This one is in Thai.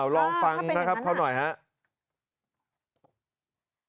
ลองฟังนะครับเขาหน่อยครับ